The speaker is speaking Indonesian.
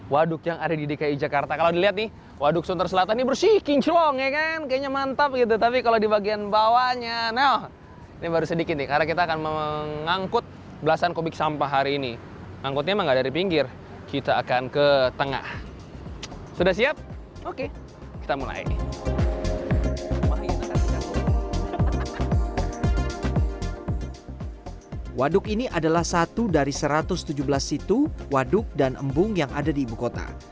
waduk ini adalah satu dari satu ratus tujuh belas situ waduk dan embung yang ada di ibu kota